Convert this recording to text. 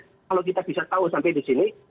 kalau kita bisa tahu sampai di sini